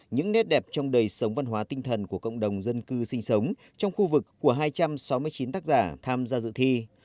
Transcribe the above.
những nét đẹp trong đời sống văn hóa tinh thần của cộng đồng dân cư sinh sống trong khu vực của hai trăm sáu mươi chín tác giả tham gia dự thi